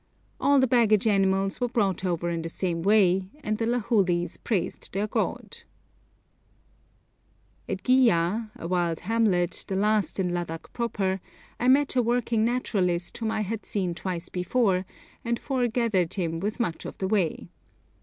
All the baggage animals were brought over in the same way, and the Lahulis praised their gods. At Gya, a wild hamlet, the last in Ladak proper, I met a working naturalist whom I had seen twice before, and 'forgathered' with him much of the way.